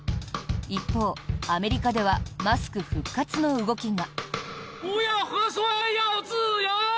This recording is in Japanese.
一方、アメリカではマスク復活の動きが。